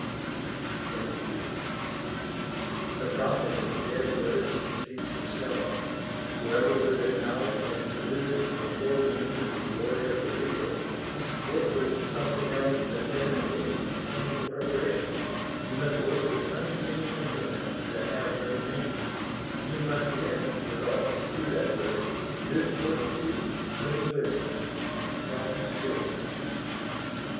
XXII The prophet of dead words defeats himself: Whoever would acknowledge and include The foregleam and the glory of the real, Must work with something else than pen and ink And painful preparation: he must work With unseen implements that have no names, And he must win withal, to do that work, Good fortitude, clean wisdom, and strong skill.